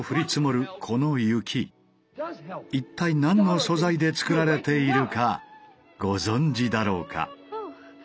一体何の素材で作られているかご存じだろうか。